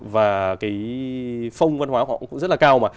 và cái phong văn hóa họ cũng rất là cao mà